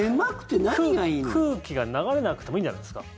空気が流れなくてもいいんじゃないですか？